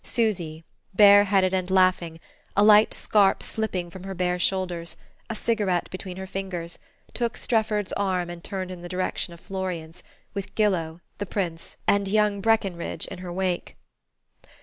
Susy, bareheaded and laughing, a light scarf slipping from her bare shoulders, a cigarette between her fingers, took Strefford's arm and turned in the direction of Florian's, with Gillow, the Prince and young Breckenridge in her wake....